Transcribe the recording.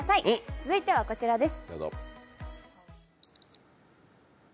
続いてはこちらです。